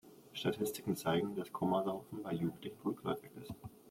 Statistiken zeigen, dass Komasaufen bei Jugendlichen rückläufig ist.